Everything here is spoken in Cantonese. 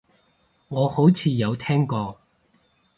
我好似有聽過